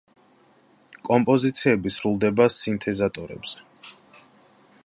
კომპოზიციები სრულდება სინთეზატორებზე.